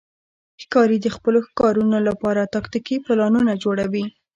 ښکاري د خپلو ښکارونو لپاره تاکتیکي پلانونه جوړوي.